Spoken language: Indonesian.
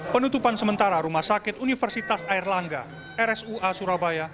penutupan sementara rumah sakit universitas air langga rsua surabaya